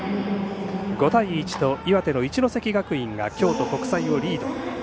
５対１と岩手の一関学院が京都国際をリード。